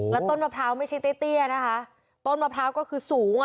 แล้วต้นมะพร้าวไม่ใช่เตี้ยนะคะต้นมะพร้าวก็คือสูงอ่ะ